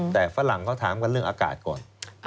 แต่ฝรั่งเขาถามกันเรื่องอากาศก่อน